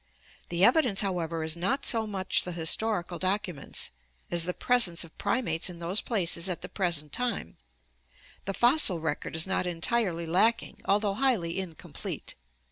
The evidence, however, is not so much the historical documents as the presence of primates in those places at the present time; the fossil record is not entirely lacking although highly incomplete.